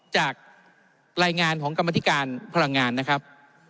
จากรายงานของกรรมธิการพลังงานนะครับ